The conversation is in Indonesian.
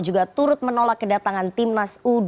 juga turut menolak kedatangan timnas u dua puluh